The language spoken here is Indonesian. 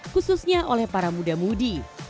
khususnya oleh para muda mudi